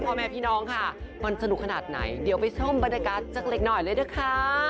พ่อแม่พี่น้องค่ะมันสนุกขนาดไหนเดี๋ยวไปชมบรรยากาศสักเล็กหน่อยเลยนะคะ